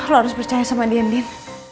lo harus percaya sama dinding